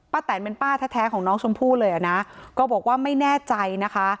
แตนเป็นป้าแท้ของน้องชมพู่เลยอ่ะนะก็บอกว่าไม่แน่ใจนะคะ